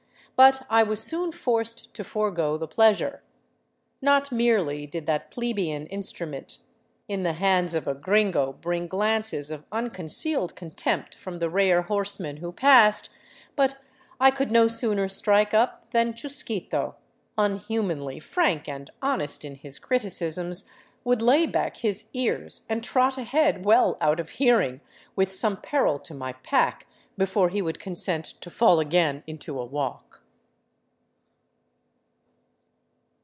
But I was soon forced to forgo the pleasure. Not merely did that plebian instrument in the hands of a gringo bring glances of unconcealed contempt from the rare horse men who passed, but I could no sooner strike up than Chusquito, un humanly frank and honest in his criticisms, would lay back his ears and trot ahead well out of hearing, with some peril to my pack, before he would consent to fall again into a walk.